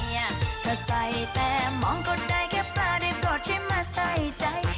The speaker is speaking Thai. เธอใส่แป๊บมองก็ได้แค่ปลาได้ปลอดชิ้นมาใส่ใจ